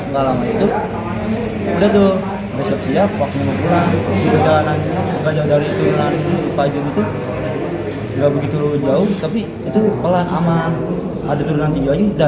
dalam itu udah tuh siap siap waktu pulang juga jalanan seganjang dari tuhan ini pagi itu juga